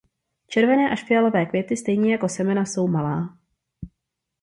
Červené až fialové květy stejně jako semena jsou malá.